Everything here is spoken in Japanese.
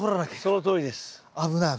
そのとおりです。